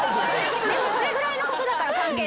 でもそれぐらいのことだから関係性的に。